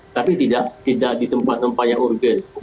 tapi tidak di tempat tempat yang urgen